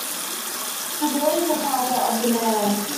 The boy is the father of the man.